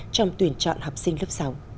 trong tuyển chọn học sinh lớp sáu